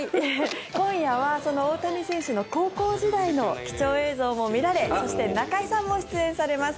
今夜は、その大谷選手の高校時代の貴重映像も見られそして中居さんも出演されます。